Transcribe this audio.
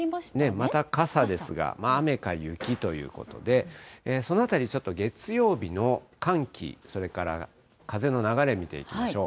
また傘ですが、雨か雪ということで、そのあたり、ちょっと月曜日の寒気、それから風の流れ、見ていきましょう。